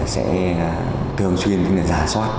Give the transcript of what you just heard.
sẽ thường xuyên ra soát